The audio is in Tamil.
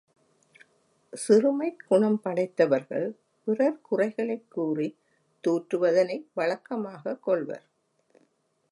சிறுமைக் குணம் படைத்தவர்கள் பிறர் குறைகளைக் கூறித் தூற்றுவதனை வழக்கமாகக் கொள்வர்.